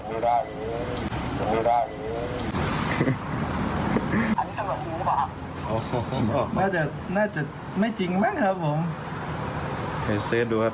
น่าจะน่าจะไม่จริงหรือเปล่าครับผมโอเคซื้อดูครับ